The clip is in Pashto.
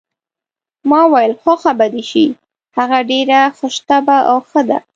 ما وویل: خوښه به دې شي، هغه ډېره خوش طبع او ښه ده.